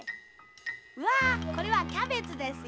わこれはキャベツですよ。